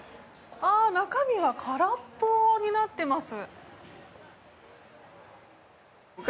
中身が空っぽになっています。